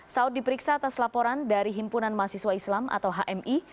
saud diperiksa atas laporan dari himpunan mahasiswa islam atau hmi